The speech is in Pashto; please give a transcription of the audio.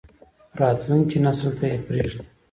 راتلونکی نسل ته یې پریږدئ